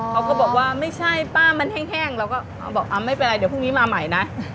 เขาก็บอกว่าไม่ใช่ป้ามันแห้งเราก็บอกไม่เป็นไรเดี๋ยวพรุ่งนี้มาใหม่นะ